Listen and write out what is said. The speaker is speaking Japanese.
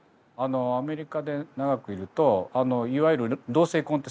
アメリカで長くいるといわゆる同性婚ってすごい多いんですよ。